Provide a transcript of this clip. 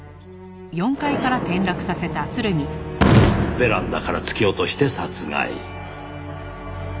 ベランダから突き落として殺害。